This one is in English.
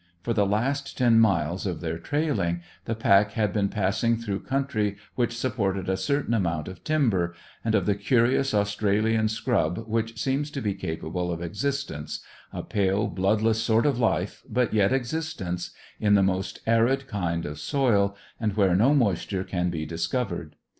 For the last ten miles of their trailing the pack had been passing through country which supported a certain amount of timber, and of the curious Australian scrub which seems to be capable of existence a pale, bloodless sort of life, but yet existence in the most arid kind of soil, and where no moisture can be discovered.